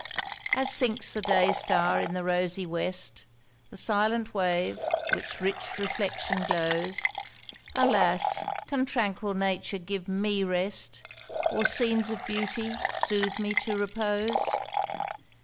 As sinks the day star in the rosy West, The silent wave, with rich reflection glows; Alas! can tranquil nature give me rest, Or scenes of beauty, soothe me to repose?